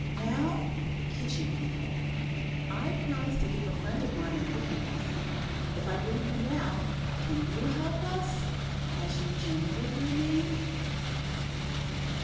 "Now, Kitchen People, I promised to give a friend of mine a cooking lesson. If I bring her now, can you help us, as you generally do me?"